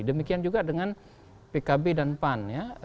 demikian juga dengan pkb dan pan ya